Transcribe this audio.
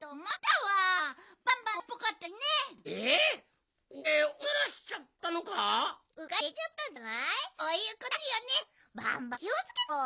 はい？